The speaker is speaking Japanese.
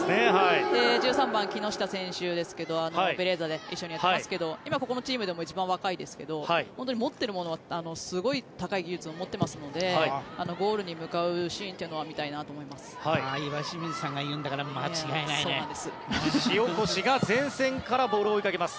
１３番、木下選手ですがベレーザで一緒にやっていますが今、ここのチームでも一番若いですけど持っているものすごい高い技術を持っていますのでゴールに向かうシーンというのは岩清水さんが言うんだからそうなんです。